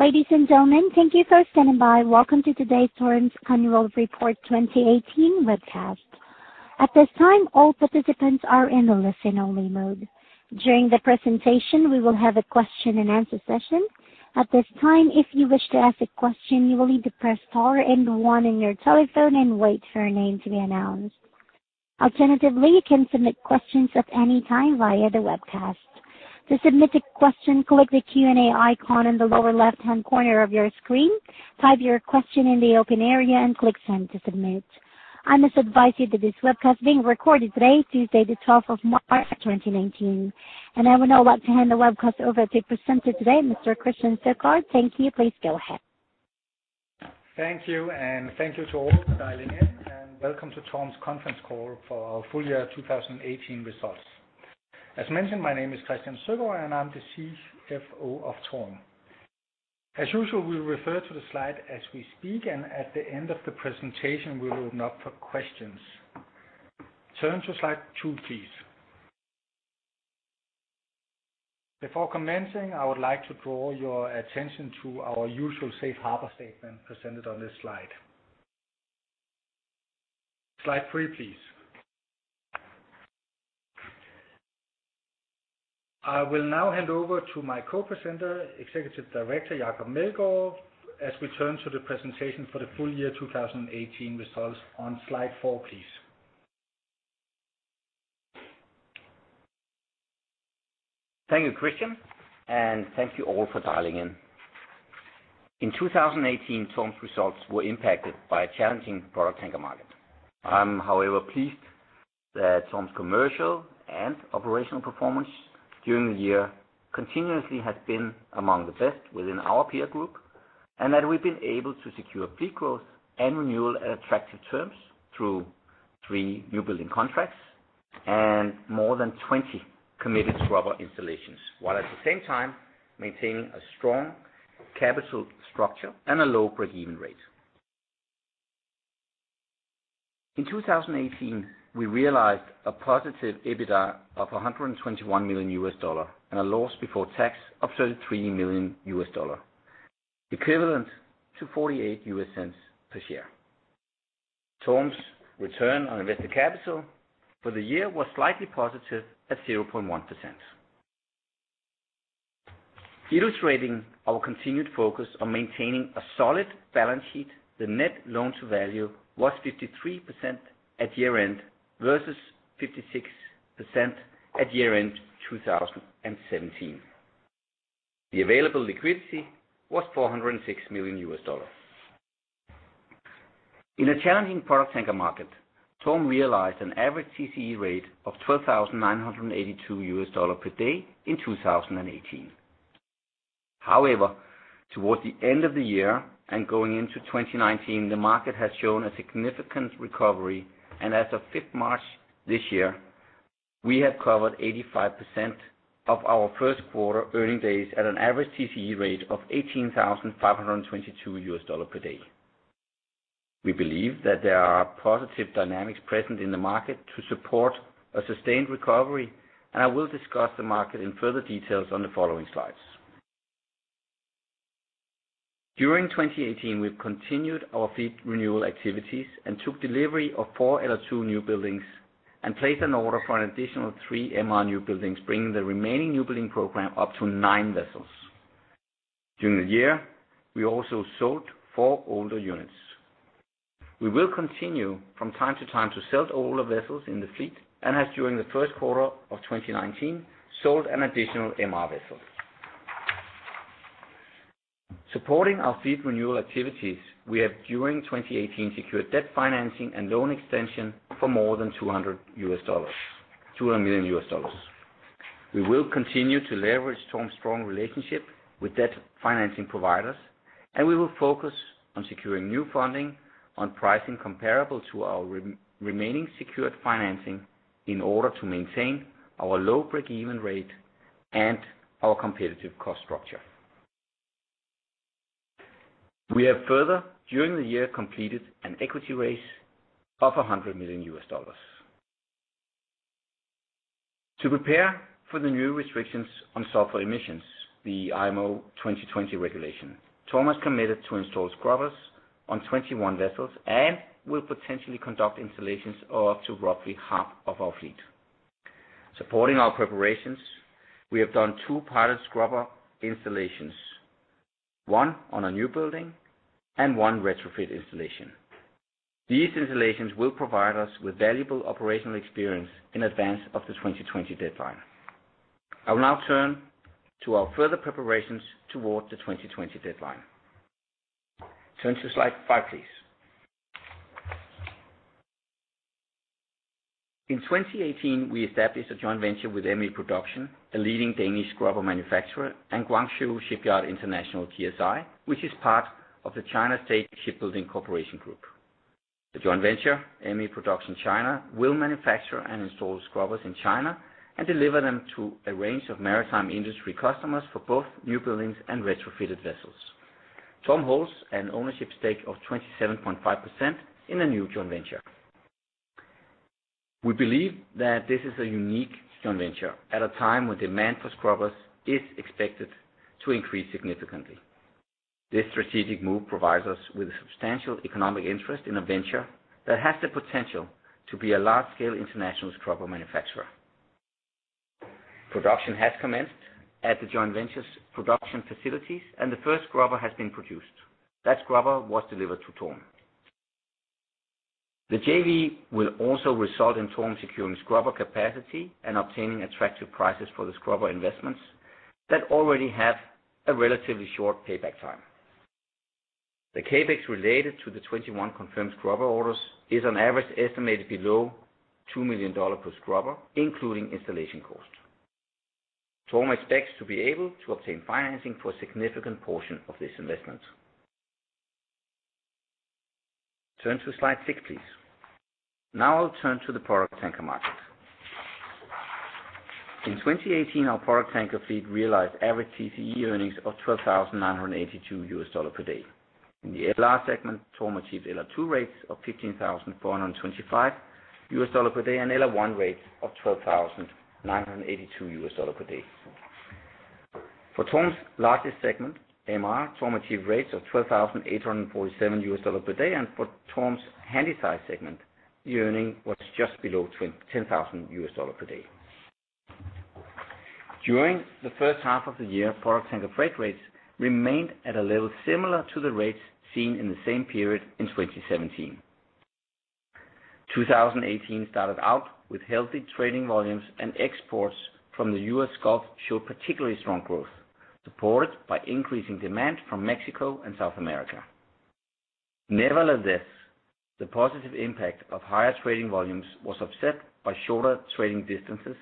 Ladies and gentlemen, thank you for standing by. Welcome to today's TORM's annual report 2018 webcast. At this time, all participants are in a listen-only mode. During the presentation, we will have a question-and-answer session. At this time, if you wish to ask a question, you will need to press star 1 on your telephone and wait for your name to be announced. Alternatively, you can submit questions at any time via the webcast. To submit a question, click the Q&A icon in the lower left-hand corner of your screen, type your question in the open area, and click Send to submit. I must advise you that this webcast is being recorded today, Tuesday, the twelfth of March, 2019. I would now like to hand the webcast over to the presenter today, Mr. Christian Søgaard Thank you. Please go ahead. Thank you, thank you to all for dialing in, and welcome to TORM's conference call for our full year 2018 results. As mentioned, my name is Christian Søgaard and I'm the CFO of TORM. As usual, we'll refer to the slide as we speak, and at the end of the presentation, we will open up for questions. Turn to slide two, please. Before commencing, I would like to draw your attention to our usual safe harbor statement presented on this slide. Slide three, please. I will now hand over to my co-presenter, Executive Director, Jacob Meldgaard, as we turn to the presentation for the full year 2018 results on slide four, please. Thank you, Christian. Thank you all for dialing in. In 2018, TORM's results were impacted by a challenging product tanker market. I'm however pleased that TORM's commercial and operational performance during the year continuously has been among the best within our peer group, and that we've been able to secure fleet growth and renewal at attractive terms through 3 new building contracts and more than 20 committed scrubber installations. While at the same time, maintaining a strong capital structure and a low break-even rate. In 2018, we realized a positive EBITDA of $121 million and a loss before tax of $33 million, equivalent to $0.48 per share. TORM's return on invested capital for the year was slightly positive at 0.1%. Illustrating our continued focus on maintaining a solid balance sheet, the net loan-to-value was 53% at year-end versus 56% at year-end 2017. The available liquidity was $406 million. In a challenging product tanker market, TORM realized an average TCE rate of $12,982 per day in 2018. Towards the end of the year and going into 2019, the market has shown a significant recovery, and as of fifth March this year, we have covered 85% of our first quarter earning days at an average TCE rate of $18,522 per day. We believe that there are positive dynamics present in the market to support a sustained recovery, and I will discuss the market in further details on the following slides. During 2018, we've continued our fleet renewal activities and took delivery of four LR2 new buildings and placed an order for an additional 3 MR new buildings, bringing the remaining new building program up to nine vessels. During the year, we also sold four older units. We will continue from time to time to sell older vessels in the fleet and as during the first quarter of 2019, sold an additional MR vessel. Supporting our fleet renewal activities, we have, during 2018, secured debt financing and loan extension for more than $200 million. We will continue to leverage TORM's strong relationship with debt financing providers, and we will focus on securing new funding on pricing comparable to our remaining secured financing in order to maintain our low break-even rate and our competitive cost structure. We have further, during the year, completed an equity raise of $100 million. To prepare for the new restrictions on sulfur emissions, the IMO 2020 regulation, TORM has committed to install scrubbers on 21 vessels and will potentially conduct installations of up to roughly half of our fleet. Supporting our preparations, we have done two pilot scrubber installations, one on a new building and one retrofit installation. These installations will provide us with valuable operational experience in advance of the 2020 deadline. I will now turn to our further preparations towards the 2020 deadline. Turn to slide 5, please. In 2018, we established a joint venture with ME Production, a leading Danish scrubber manufacturer, and Guangzhou Shipyard International, GSI, which is part of the China State Shipbuilding Corporation group. The joint venture, ME Production China, will manufacture and install scrubbers in China and deliver them to a range of maritime industry customers for both new buildings and retrofitted vessels. TORM holds an ownership stake of 27.5% in the new joint venture. We believe that this is a unique joint venture at a time when demand for scrubbers is expected to increase significantly. This strategic move provides us with a substantial economic interest in a venture that has the potential to be a large-scale international scrubber manufacturer. Production has commenced at the joint venture's production facilities, and the first scrubber has been produced. That scrubber was delivered to TORM. The JV will also result in TORM securing scrubber capacity and obtaining attractive prices for the scrubber investments that already have a relatively short payback time. The CapEx related to the 21 confirmed scrubber orders is on average, estimated below $2 million per scrubber, including installation cost. TORM expects to be able to obtain financing for a significant portion of this investment. Turn to slide 6, please. I'll turn to the product tanker market. In 2018, our product tanker fleet realized average TCE earnings of $12,982 per day. In the LR segment, TORM achieved LR2 rates of $15,425 per day, and LR1 rates of $12,982 per day. For TORM's largest segment, MR, TORM achieved rates of $12,847 per day, and for TORM's Handysize segment, the earning was just below $10,000 per day. During the first half of the year, product tanker freight rates remained at a level similar to the rates seen in the same period in 2017. 2018 started out with healthy trading volumes, and exports from the U.S. Gulf showed particularly strong growth, supported by increasing demand from Mexico and South America. Nevertheless, the positive impact of higher trading volumes was offset by shorter trading distances,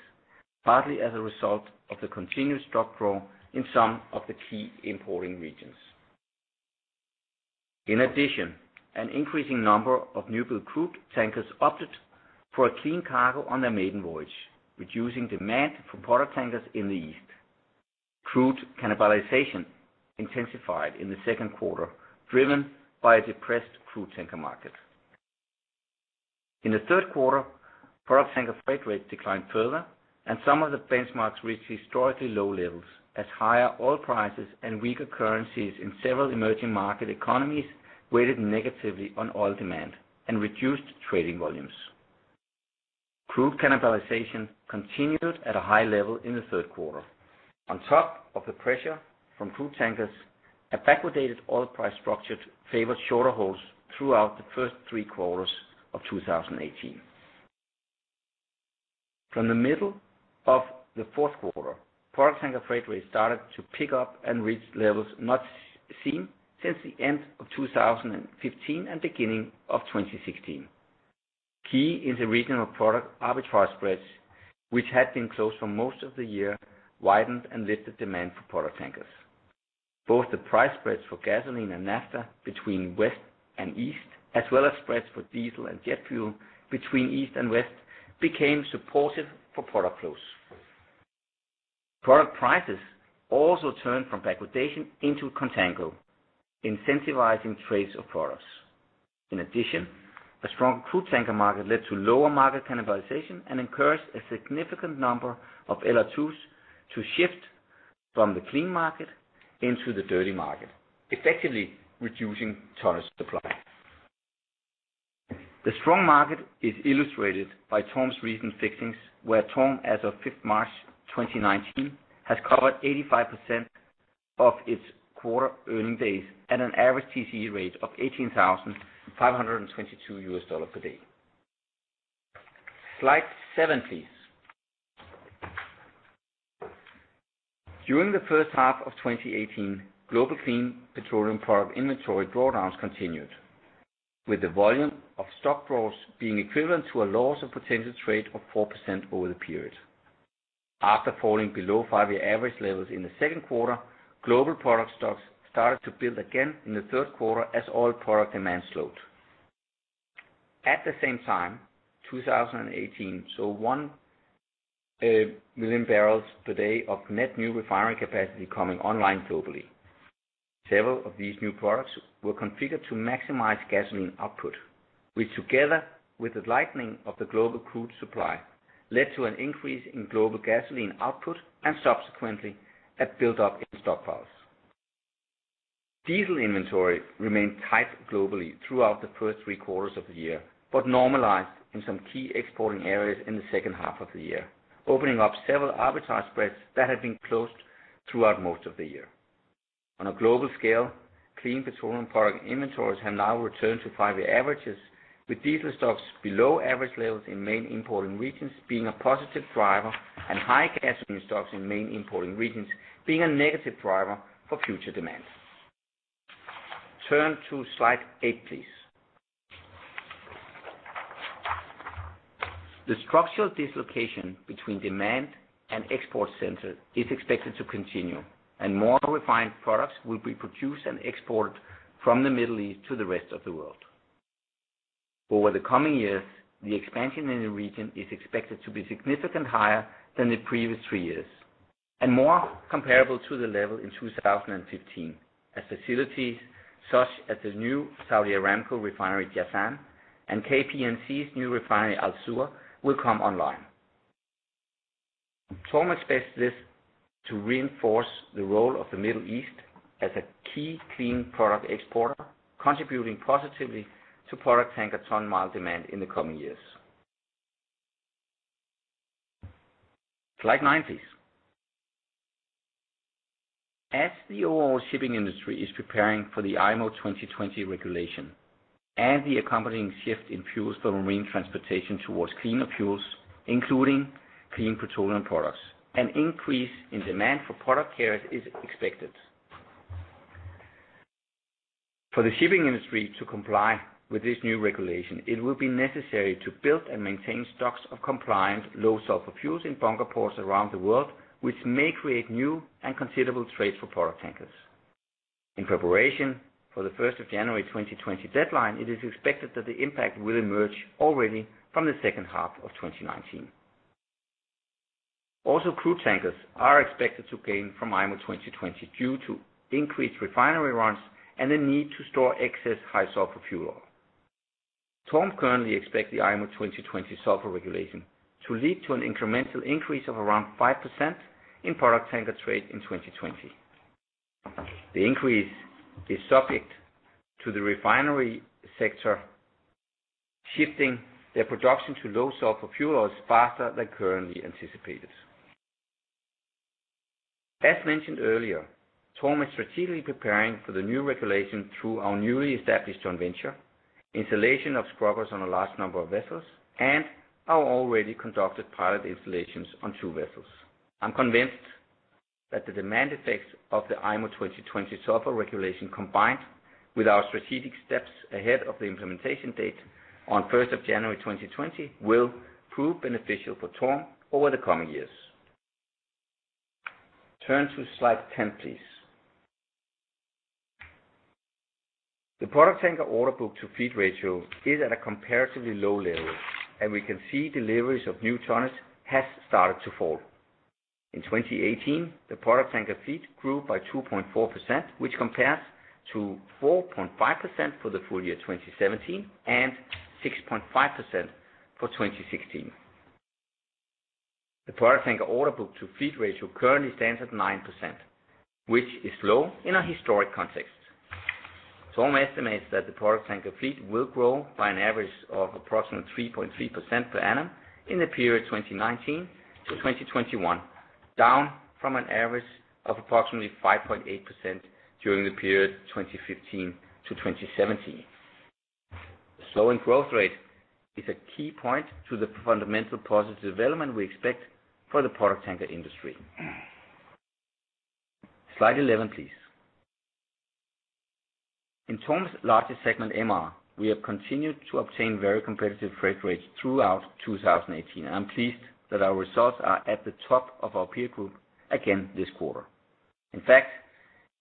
partly as a result of the continuous stock growth in some of the key importing regions. In addition, an increasing number of newbuild crude tankers opted for a clean cargo on their maiden voyage, reducing demand for product tankers in the east. Crude cannibalization intensified in the second quarter, driven by a depressed crude tanker market. In the third quarter, product tanker freight rates declined further, and some of the benchmarks reached historically low levels as higher oil prices and weaker currencies in several emerging market economies weighted negatively on oil demand and reduced trading volumes. Crude cannibalization continued at a high level in the 3rd quarter. On top of the pressure from crude tankers, a backwardated oil price structure favored shorter hauls throughout the first three quarters of 2018. From the middle of the fourth quarter, product tanker freight rates started to pick up and reach levels not seen since the end of 2015 and beginning of 2016. Key is the regional product arbitrage spreads, which had been closed for most of the year, widened and lifted demand for product tankers. Both the price spreads for gasoline and naphtha between West and East, as well as spreads for diesel and jet fuel between East and West, became supportive for product flows. Product prices also turned from backwardation into contango, incentivizing trades of products. In addition, a strong crude tanker market led to lower market cannibalization and encouraged a significant number of LR2s to shift from the clean market into the dirty market, effectively reducing tonnage supply. The strong market is illustrated by TORM's recent fixings, where TORM, as of fifth March 2019, has covered 85% of its quarter earning days at an average TCE rate of $18,522 per day. Slide seven, please. During the first half of 2018, global clean petroleum product inventory drawdowns continued, with the volume of stock draws being equivalent to a loss of potential trade of 4% over the period. After falling below 5-year average levels in the second quarter, global product stocks started to build again in the third quarter as oil product demand slowed. At the same time, 2018 saw 1 million barrels per day of net new refinery capacity coming online globally. Several of these new products were configured to maximize gasoline output, which, together with the lightening of the global crude supply, led to an increase in global gasoline output and subsequently a buildup in stockpiles. Diesel inventory remained tight globally throughout the first three quarters of the year but normalized in some key exporting areas in the second half of the year, opening up several arbitrage spreads that had been closed throughout most of the year. On a global scale, clean petroleum product inventories have now returned to 5-year averages, with diesel stocks below average levels in main importing regions being a positive driver and high gasoline stocks in main importing regions being a negative driver for future demand. Turn to slide eight, please. The structural dislocation between demand and export center is expected to continue. More refined products will be produced and exported from the Middle East to the rest of the world. Over the coming years, the expansion in the region is expected to be significantly higher than the previous three years. More comparable to the level in 2015, as facilities such as the new Saudi Aramco refinery, Jazan, and KNPC's new refinery, Al Zour, will come online. TORM expects this to reinforce the role of the Middle East as a key clean product exporter, contributing positively to product tanker ton-mile demand in the coming years. Slide 90s. As the overall shipping industry is preparing for the IMO 2020 regulation and the accompanying shift in fuels for marine transportation towards cleaner fuels, including clean petroleum products, an increase in demand for product carriers is expected. For the shipping industry to comply with this new regulation, it will be necessary to build and maintain stocks of compliant, low sulfur fuels in bunker ports around the world, which may create new and considerable trades for product tankers. In preparation for the January 1, 2020 deadline, it is expected that the impact will emerge already from the second half of 2019. Crude tankers are expected to gain from IMO 2020 due to increased refinery runs and the need to store excess high sulfur fuel oil. TORM currently expects the IMO 2020 sulfur regulation to lead to an incremental increase of around 5% in product tanker trade in 2020. The increase is subject to the refinery sector shifting their production to low sulfur fuel oils faster than currently anticipated. As mentioned earlier, TORM is strategically preparing for the new regulation through our newly established joint venture, installation of scrubbers on a large number of vessels, and our already conducted pilot installations on two vessels. I'm convinced that the demand effects of the IMO 2020 sulfur regulation, combined with our strategic steps ahead of the implementation date on January 1, 2020, will prove beneficial for TORM over the coming years. Turn to slide 10, please. The product tanker orderbook-to-fleet ratio is at a comparatively low level, and we can see deliveries of new tonnages has started to fall. In 2018, the product tanker fleet grew by 2.4%, which compares to 4.5% for the full year 2017, and 6.5% for 2016. The product tanker orderbook-to-fleet ratio currently stands at 9%, which is low in a historic context. TORM estimates that the product tanker fleet will grow by an average of approximately 3.3% per annum in the period 2019-2021, down from an average of approximately 5.8% during the period 2015-2017. Slowing growth rate is a key point to the fundamental positive development we expect for the product tanker industry. Slide 11, please. In TORM's largest segment, MR, we have continued to obtain very competitive freight rates throughout 2018. I'm pleased that our results are at the top of our peer group again this quarter. In fact,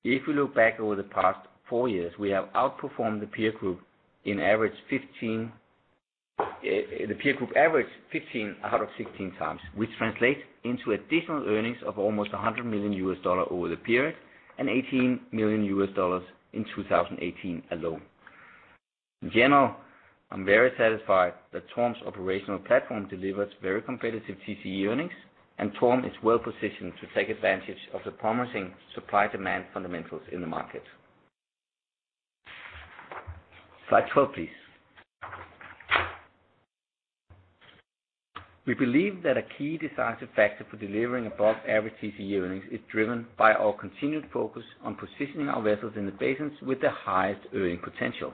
if we look back over the past four years, we have outperformed the peer group in average 15, the peer group average 15 out of 16 times, which translates into additional earnings of almost $100 million over the period and $18 million in 2018 alone. In general, I'm very satisfied that TORM's operational platform delivers very competitive TCE earnings, and TORM is well positioned to take advantage of the promising supply-demand fundamentals in the market. Slide 12, please. We believe that a key decisive factor for delivering above average TCE earnings is driven by our continued focus on positioning our vessels in the basins with the highest earning potential.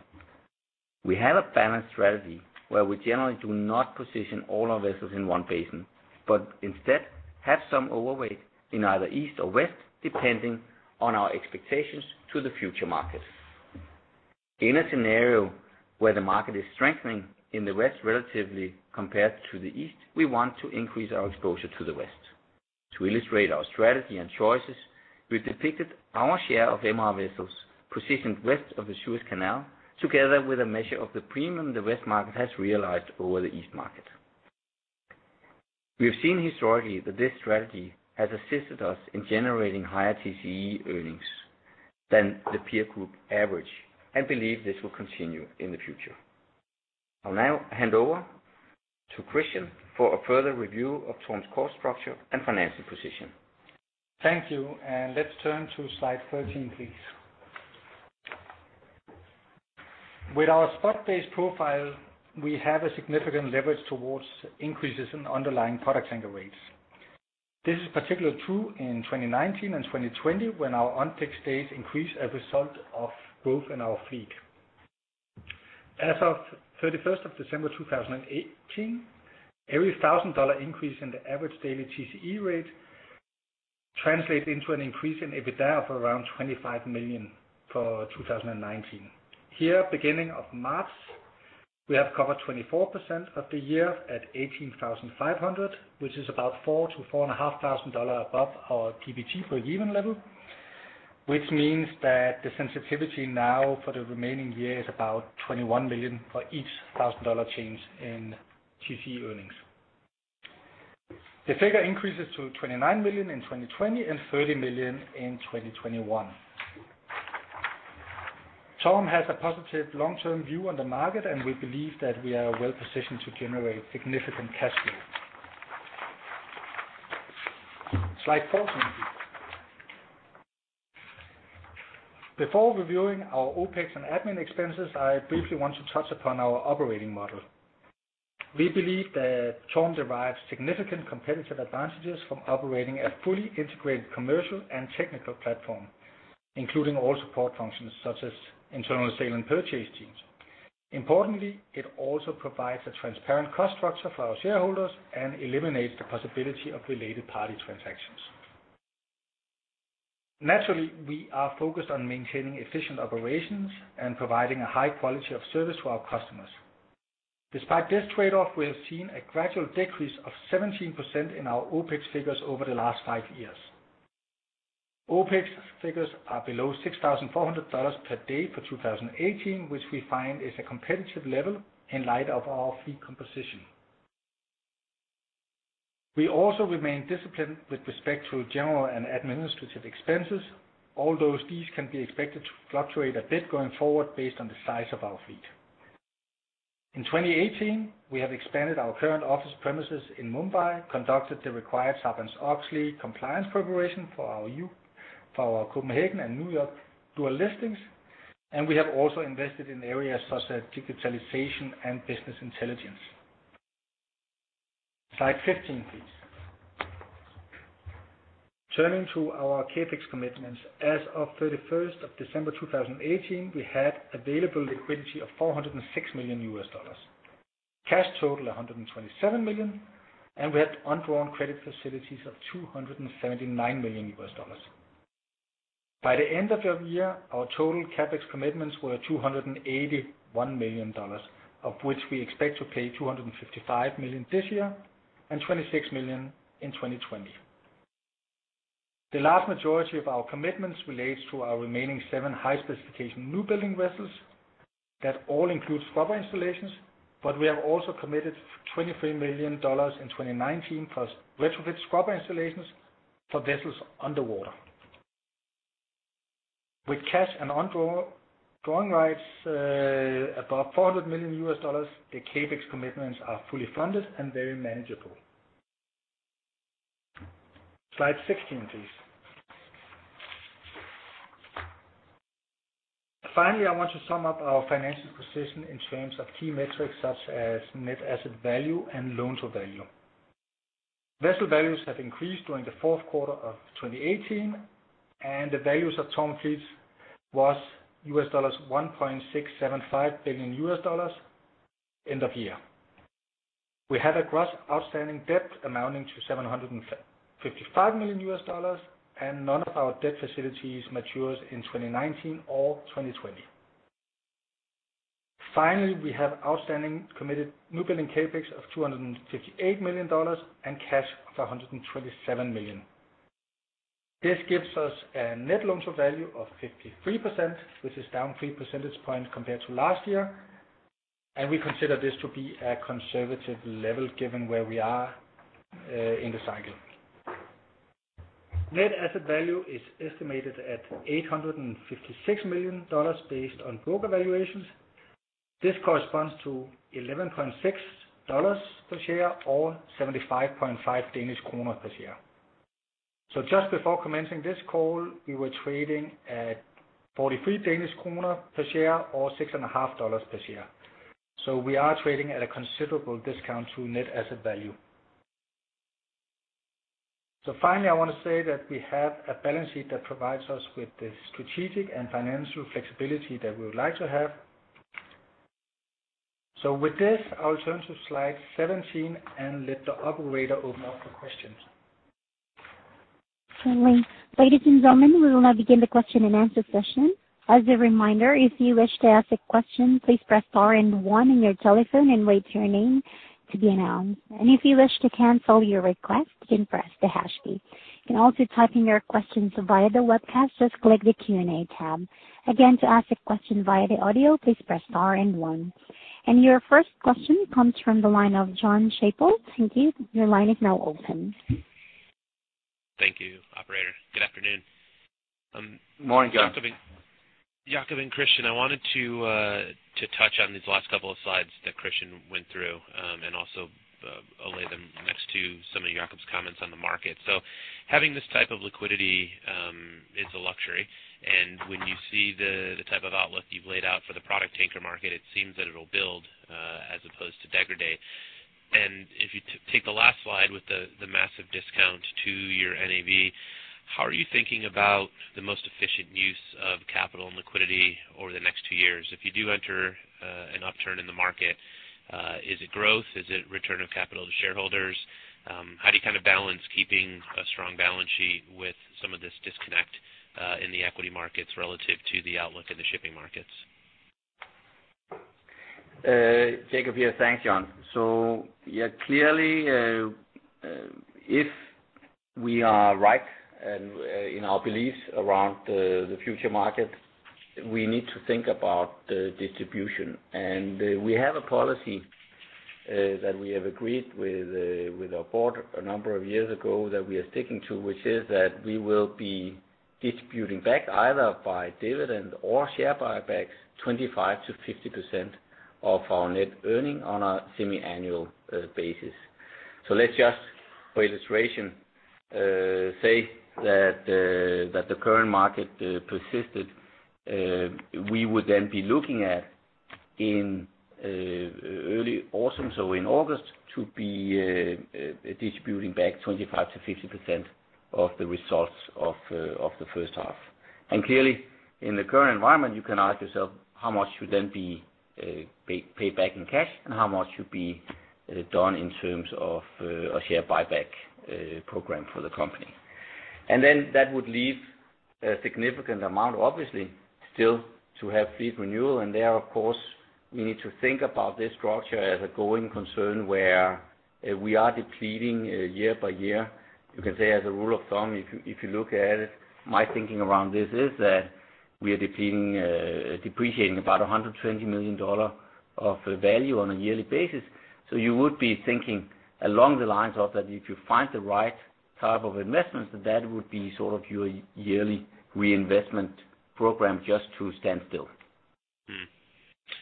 We have a balanced strategy, where we generally do not position all our vessels in one basin, but instead have some overweight in either east or west, depending on our expectations to the future market. In a scenario where the market is strengthening in the west relatively compared to the east, we want to increase our exposure to the west. To illustrate our strategy and choices, we've depicted our share of MR vessels positioned west of the Suez Canal, together with a measure of the premium the west market has realized over the east market. We have seen historically that this strategy has assisted us in generating higher TCE earnings than the peer group average, and believe this will continue in the future. I'll now hand over to Christian for a further review of TORM's cost structure and financial position. Thank you, and let's turn to slide 13, please. With our spot-based profile, we have a significant leverage towards increases in underlying product tanker rates. This is particularly true in 2019 and 2020, when our unticked days increase as a result of growth in our fleet. As of 31st of December, 2018, every $1,000 increase in the average daily TCE rate translates into an increase in EBITDA of around $25 million for 2019. Here, beginning of March, we have covered 24% of the year at $18,500, which is about $4,000-$4,500 above our TCE breakeven level, which means that the sensitivity now for the remaining year is about $21 million for each $1,000 change in TCE earnings. The figure increases to $29 million in 2020 and $30 million in 2021. TORM has a positive long-term view on the market. We believe that we are well positioned to generate significant cash flow. Slide 14, please. Before reviewing our OpEx and admin expenses, I briefly want to touch upon our operating model. We believe that TORM derives significant competitive advantages from operating a fully integrated commercial and technical platform, including all support functions such as internal sale and purchase teams. Importantly, it also provides a transparent cost structure for our shareholders and eliminates the possibility of related party transactions. Naturally, we are focused on maintaining efficient operations and providing a high quality of service to our customers. Despite this trade-off, we have seen a gradual decrease of 17% in our OpEx figures over the last five years. OpEx figures are below $6,400 per day for 2018, which we find is a competitive level in light of our fleet composition. We also remain disciplined with respect to general and administrative expenses, although these can be expected to fluctuate a bit going forward based on the size of our fleet. In 2018, we have expanded our current office premises in Mumbai, conducted the required Sarbanes-Oxley compliance preparation for our Copenhagen and New York dual listings, and we have also invested in areas such as digitalization and business intelligence. Slide 15, please. Turning to our CapEx commitments. As of 31st of December, 2018, we had available liquidity of $406 million. Cash total, $127 million, and we had undrawn credit facilities of $279 million. By the end of the year, our total CapEx commitments were $281 million, of which we expect to pay $255 million this year and $26 million in 2020. The large majority of our commitments relates to our remaining 7 high-specification newbuilding vessels that all include scrubber installations, but we have also committed $23 million in 2019 for retrofit scrubber installations for vessels on the water. With cash and undraw drawing rights above $400 million, the CapEx commitments are fully funded and very manageable. Slide 16, please. I want to sum up our financial position in terms of key metrics such as net asset value and loan to value. Vessel values have increased during the fourth quarter of 2018. The values of TORM fleets was US dollars, $1.675 billion US dollars end of year. We had a gross outstanding debt amounting to $755 million US dollars. None of our debt facilities matures in 2019 or 2020. Finally, we have outstanding committed newbuilding CapEx of $258 million and cash of $127 million. This gives us a net loan-to-value of 53%, which is down 3 percentage points compared to last year. We consider this to be a conservative level given where we are in the cycle. Net asset value is estimated at $856 million based on broker valuations. This corresponds to $11.6 per share or 75.5 Danish kroner per share. Just before commencing this call, we were trading at 43 Danish kroner per share or six and a half dollars per share. We are trading at a considerable discount to net asset value. Finally, I want to say that we have a balance sheet that provides us with the strategic and financial flexibility that we would like to have. With this, I'll turn to slide 17 and let the operator open up for questions. Certainly. Ladies and gentlemen, we will now begin the question-and-answer session. As a reminder, if you wish to ask a question, please press star 1 on your telephone and wait your name to be announced. If you wish to cancel your request, you can press the hash key. You can also type in your questions via the webcast, just click the Q&A tab. Again, to ask a question via the audio, please press star 1. Your first question comes from the line of Jon Chappell. Thank you. Your line is now open. Thank you, operator. Good afternoon. Morning, Jon. Jacob and Christian, I wanted to touch on these last couple of slides that Christian went through, and also lay them next to some of Jacob's comments on the market. Having this type of liquidity is a luxury, and when you see the type of outlook you've laid out for the product tanker market, it seems that it'll build as opposed to degradate. If you take the last slide with the massive discount to your NAV, how are you thinking about the most efficient use of capital and liquidity over the next two years? If you do enter an upturn in the market, is it growth? Is it return of capital to shareholders? How do you kind of balance keeping a strong balance sheet with some of this disconnect, in the equity markets relative to the outlook in the shipping markets? Jacob here. Thanks Jon. Yeah, clearly if we are right and in our beliefs around the future market, we need to think about the distribution. We have a policy that we have agreed with with our board a number of years ago that we are sticking to, which is that we will be distributing back, either by dividend or share buybacks, 25% to 50% of our net earning on a semiannual basis. Let's just, for illustration, say that the current market persisted, we would then be looking at, in early autumn, so in August, to be distributing back 25% to 50% of the results of the first half. Clearly, in the current environment, you can ask yourself how much should then be paid back in cash, and how much should be done in terms of a share buyback program for the company. That would leave a significant amount, obviously, still to have fleet renewal. There, of course, we need to think about this structure as a going concern, where we are depleting year by year. You can say as a rule of thumb, if you look at it, my thinking around this is that we are depleting, depreciating about $120 million of value on a yearly basis. You would be thinking along the lines of that, if you find the right type of investments, that that would be sort of your yearly reinvestment program just to stand still.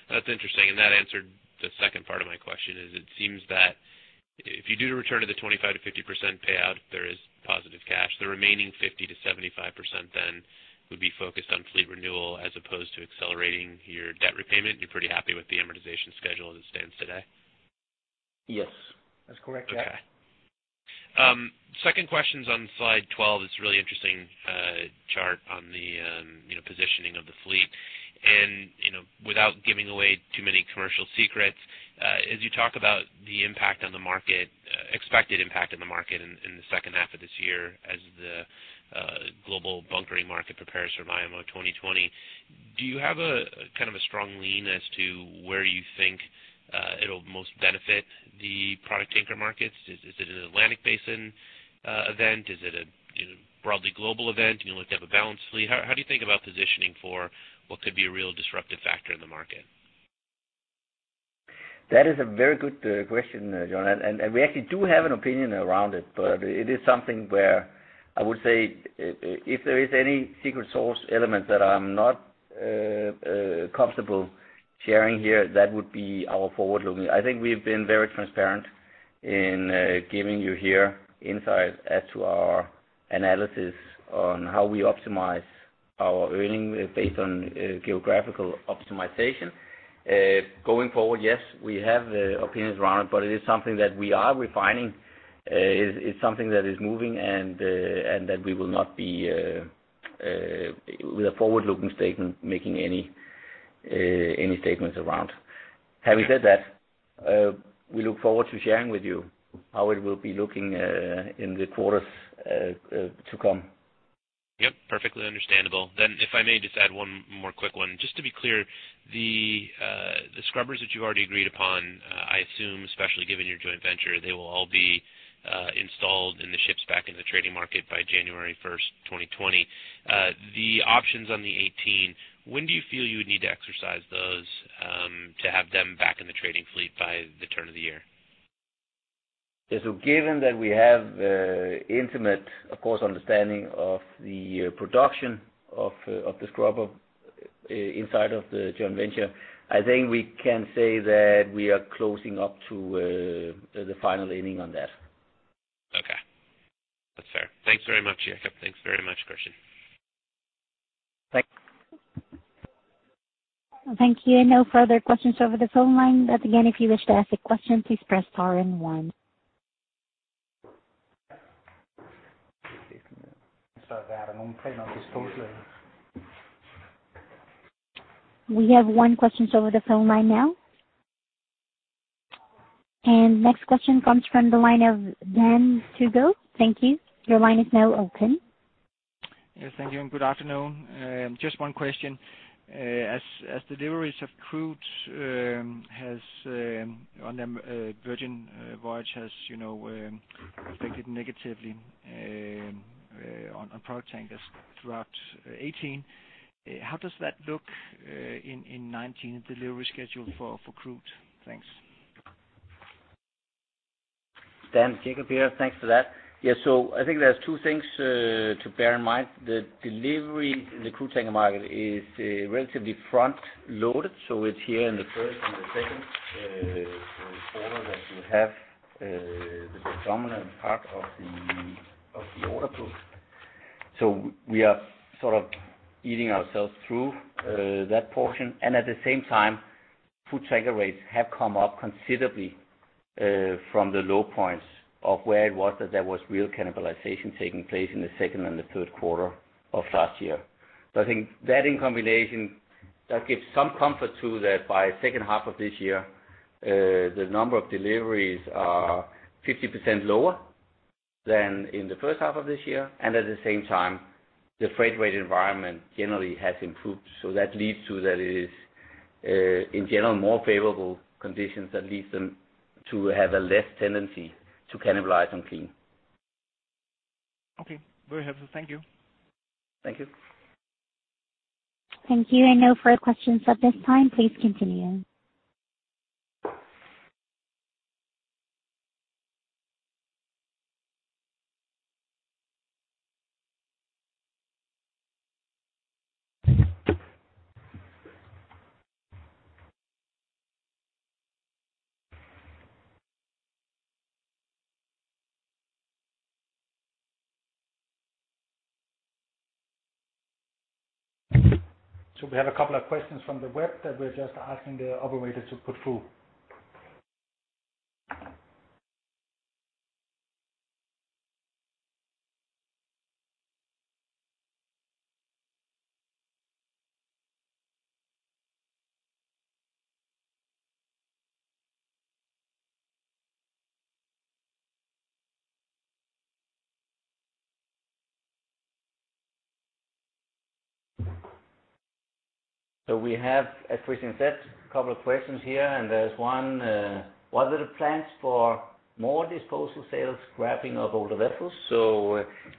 That's interesting, and that answered the second part of my question is, it seems that if you do return to the 25%-50% payout, there is positive cash. The remaining 50%-75% then would be focused on fleet renewal as opposed to accelerating your debt repayment. You're pretty happy with the amortization schedule as it stands today? Yes, that's correct, yeah. Okay. Second question's on slide twelve. It's a really interesting chart on the, you know, positioning of the fleet. You know, without giving away too many commercial secrets, as you talk about the impact on the market, expected impact on the market in the second half of this year as the global bunkering market prepares for IMO 2020, do you have a kind of a strong lean as to where you think it'll most benefit the product tanker markets? Is it an Atlantic basin event? Is it a, you know, broadly global event, you know, like to have a balanced fleet? How do you think about positioning for what could be a real disruptive factor in the market? That is a very good question, Jon. We actually do have an opinion around it, but it is something where I would say, if there is any secret source element that I'm not comfortable sharing here, that would be our forward-looking. I think we've been very transparent in giving you here insight as to our analysis on how we optimize our earnings based on geographical optimization. Going forward, yes, we have opinions around it, but it is something that we are refining. It's something that is moving and that we will not be with a forward-looking statement, making any statements around. Having said that, we look forward to sharing with you how it will be looking in the quarters to come. Yep, perfectly understandable. If I may just add one more quick one. Just to be clear, the scrubbers that you already agreed upon, I assume, especially given your joint venture, they will all be installed in the ships back in the trading market by January 1, 2020. The options on the 18, when do you feel you would need to exercise those to have them back in the trading fleet by the turn of the year? Given that we have intimate, of course, understanding of the production of the scrubber inside of the joint venture, I think we can say that we are closing up to the final inning on that. Okay. That's fair. Thanks very much, Jacob. Thanks very much, Christian. Thanks. Thank you. No further questions over the phone line. Again, if you wish to ask a question, please press star and one. We have one question over the phone line now. Next question comes from the line of Randy Giveans. Thank you. Your line is now open. Yes, thank you and good afternoon. Just one question. As deliveries of crude has on them Virgin Voyage has, you know, affected negatively on product tankers throughout 2018. How does that look in 2019, the delivery schedule for crude? Thanks. Dan, Jacob here. Thanks for that. Yeah, I think there's two things to bear in mind. The delivery in the crude tanker market is relatively front loaded. It's here in the first and the second quarter that you have the predominant part of the order book. We are sort of eating ourselves through that portion. At the same time, crude tanker rates have come up considerably from the low points of where it was that there was real cannibalization taking place in the second and the third quarter of last year. I think that in combination, that gives some comfort to that by second half of this year, the number of deliveries are 50% lower than in the first half of this year, and at the same time, the freight rate environment generally has improved. That leads to that it is, in general, more favorable conditions that leads them to have a less tendency to cannibalize on clean. Okay. Very helpful. Thank you. Thank you. Thank you, and no further questions at this time. Please continue. We have a couple of questions from the web that we're just asking the operator to put through. We have, as Christian said, a couple of questions here. There's one: What are the plans for more disposal sales, scrapping of older vessels?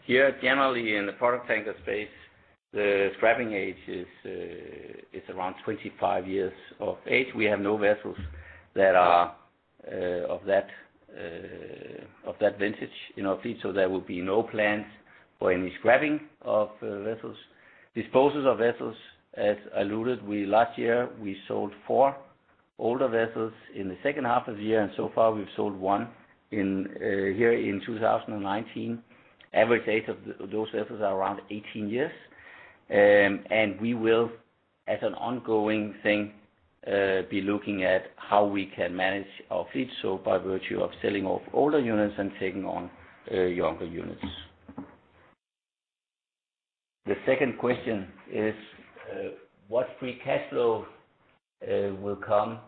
Here, generally, in the product tanker space, the scrapping age is around 25 years of age. We have no vessels that are of that vintage in our fleet. There will be no plans for any scrapping of vessels. Disposals of vessels, as alluded, we last year, we sold 4 older vessels in the second half of the year. So far, we've sold 1 here in 2019. Average age of those vessels are around 18 years. We will, as an ongoing thing, be looking at how we can manage our fleet by virtue of selling off older units and taking on younger units. The second question is, what free cash flow will come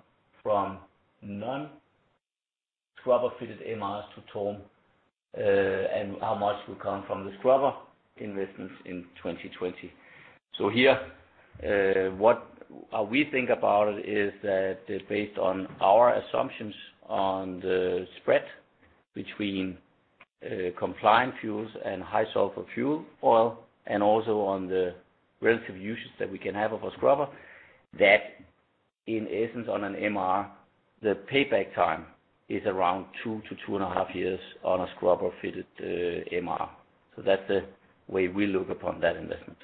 from non-scrubber fitted MRs to TORM, and how much will come from the scrubber investments in 2020? Here, what we think about it is that based on our assumptions on the spread between compliant fuels and high sulfur fuel oil, and also on the relative usage that we can have of a scrubber, that in essence, on an MR, the payback time is around two to two and a half years on a scrubber-fitted MR. That's the way we look upon that investment.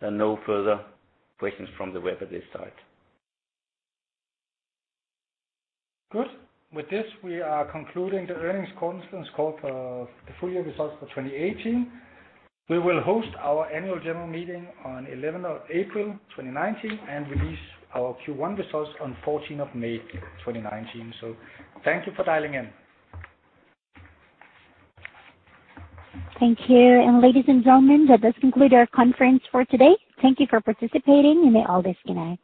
There are no further questions from the web at this time. Good. With this, we are concluding the earnings conference call for the full year results for 2018. We will host our annual general meeting on 11th of April, 2019, and release our Q1 results on 14th of May, 2019. Thank you for dialing in. Thank you. Ladies and gentlemen, that does conclude our conference for today. Thank you for participating. They all disconnect.